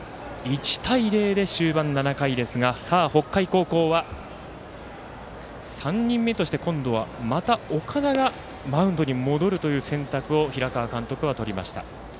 １対０で終盤、７回ですが北海高校は３人目として今度はまた岡田がマウンドに戻るという選択を平川監督はとりました。